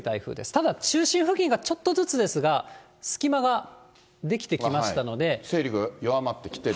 ただ、中心付近がちょっとずつですが、勢力が弱まってきてる。